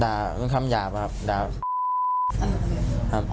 ด่าคำหยาบครับ